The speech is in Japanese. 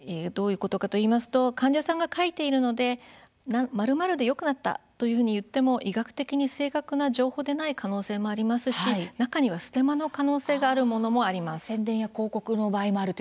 患者さんが書いているので○○でよくなったといっても医学的に正確な情報でない可能性もありますし中にはステマの可能性のあるものもあります。